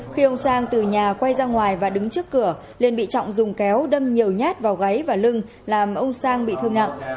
khi ông sang từ nhà quay ra ngoài và đứng trước cửa nên bị trọng dùng kéo đâm nhiều nhát vào gáy và lưng làm ông sang bị thương nặng